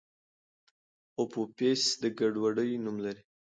اپوفیس د ګډوډۍ نوم لري.